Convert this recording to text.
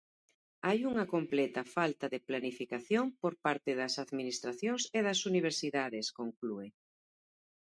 "Hai unha completa falta de planificación por parte das administracións e das universidades", conclúe.